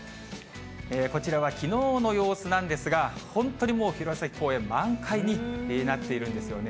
こちらはきのうの様子なんですが、本当にもう弘前公園、満開になっているんですよね。